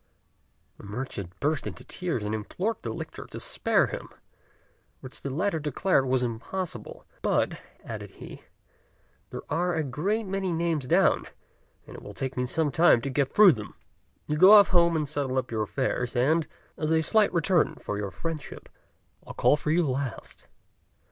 The merchant burst into tears and implored the lictor to spare him, which the latter declared was impossible; "But," added he, "there are a great many names down, and it will take me some time to get through them: you go off home and settle up your affairs, and, as a slight return for your friendship, I'll call for you last."